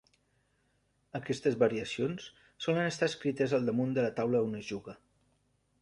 Aquestes variacions solen estar escrites al damunt de la taula on es juga.